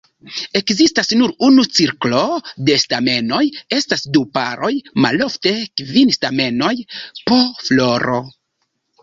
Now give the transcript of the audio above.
Ekzistas nur unu cirklo de stamenoj, estas du paroj, malofte kvin stamenoj po floro.